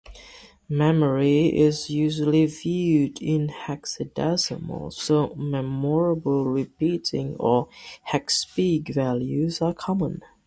Memory is usually viewed in hexadecimal, so memorable repeating or hexspeak values are common.